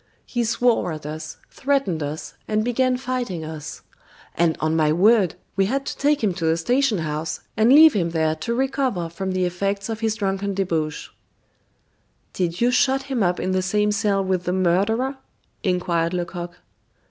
He swore at us, threatened us, and began fighting us. And, on my word, we had to take him to the station house, and leave him there to recover from the effects of his drunken debauch." "Did you shut him up in the same cell with the murderer?" inquired Lecoq.